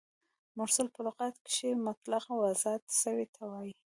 مرسل په لغت کښي مطلق او آزاد سوي ته وايي.